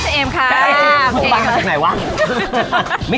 เจ้าคุณสุดสบายช่วยอะไร